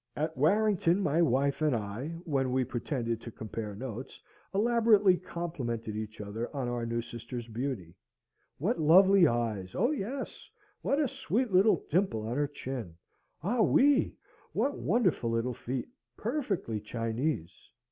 At Warrington my wife and I, when we pretended to compare notes, elaborately complimented each other on our new sister's beauty. What lovely eyes! Oh yes! What a sweet little dimple on her chin! Ah oui! What wonderful little feet! Perfectly Chinese!